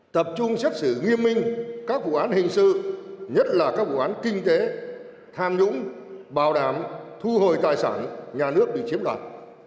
tập trung xét xử nghiêm minh các vụ án hình sự nhất là các vụ án kinh tế tham nhũng bảo đảm thu hồi tài sản nhà nước bị chiếm đoạt